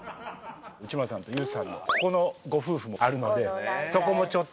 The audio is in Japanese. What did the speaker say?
内村さんとＹＯＵさんのここのご夫婦もあるのでそこもちょっと。